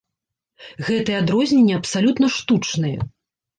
Гэтыя адрозненні абсалютна штучныя.